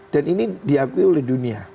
dan ini diakui oleh dunia